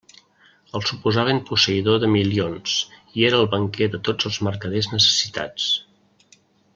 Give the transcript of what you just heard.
El suposaven posseïdor de milions, i era el banquer de tots els mercaders necessitats.